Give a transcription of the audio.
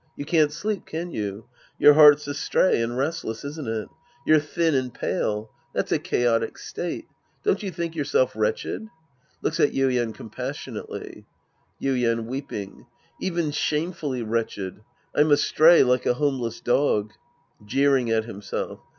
You can't sleep, can you ? Your heart's astray and restless, isn't it? You're thin and pale. That's a chaotic state. Don't you tliink yourself wretched ? {Looks at YuiEN compassionately!) Yuien {weeping). Even shamefully wretched. I'm astray like a homeless dog. {Jeering at himself!)